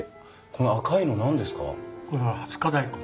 この赤いの何ですか？